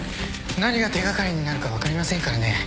何が手掛かりになるか分かりませんからね。